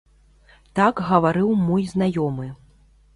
Так гаварыў мой знаёмы.